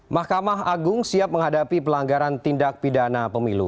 mahkamah agung siap menghadapi pelanggaran tindak pidana pemilu